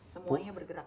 semuanya bergerak ya pak